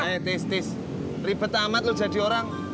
eh tis tis ribet amat lo jadi orang